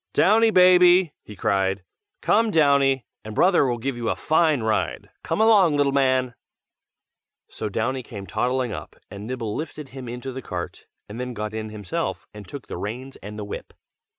"Downy, baby!" he cried, "Come, Downy, and brother will give you a fine ride! come along, little man!" So Downy came toddling up, and Nibble lifted him into the cart, and then got in himself, and took the reins and the whip.